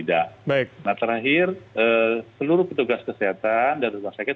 dari ruang sakit